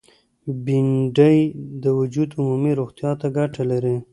بېنډۍ د وجود عمومي روغتیا ته ګټه لري